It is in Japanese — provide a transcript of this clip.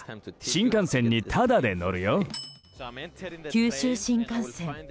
九州新幹線。